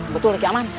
betul lagi aman